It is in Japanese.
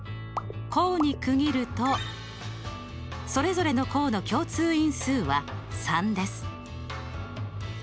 項に区切るとそれぞれの項の共通因数は３です。